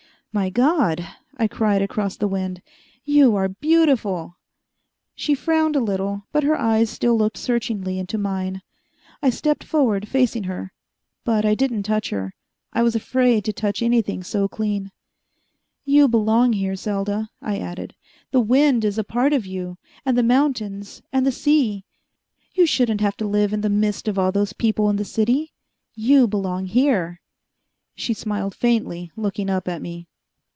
"My God!" I cried across the wind, "you are beautiful!" She frowned a little, but her eyes still looked searchingly into mine. I stepped forward, facing her. But I didn't touch her. I was afraid to touch anything so clean. "You belong here, Selda," I added. "The wind is a part of you, and the mountains, and the sea. You shouldn't have to live in the midst of all those people in the city. You belong here." She smiled faintly, looking up at me.